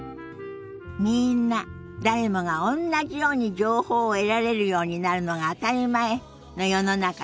みんな誰もがおんなじように情報を得られるようになるのが当たり前の世の中にならなきゃね。